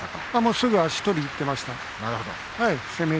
すぐに足取りにいっていました。